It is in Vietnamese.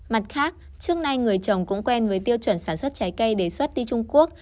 mặt khác trước nay người chồng cũng quen với tiêu chuẩn sản xuất trái cây để xuất đi trung quốc